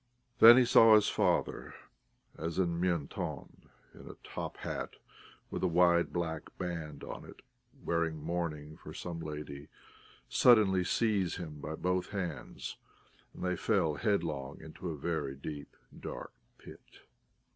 Then he saw his father, as in Mentone, in a top hat with a wide black band on it, wearing mourning for some lady, suddenly seize him by both hands, and they fell headlong into a very deep, dark pit.